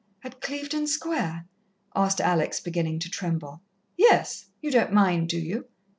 "At Clevedon Square?" asked Alex, beginning to tremble. "Yes. You don't mind, do you?"